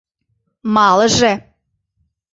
Малыже.